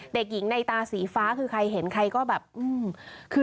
เด็กหญิงในตาสีฟ้าคือใครเห็นใครก็แบบคือ